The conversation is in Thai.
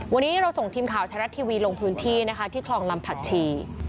วันนี้เราส่งทีมข่าวไทยรัฐทีวีลงพื้นที่นะคะที่คลองลำผักชี